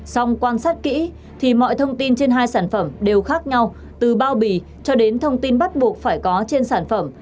xong quan sát kỹ thì mọi thông tin trên hai sản phẩm đều khác nhau từ bao bì cho đến thông tin bắt buộc phải có trên sản phẩm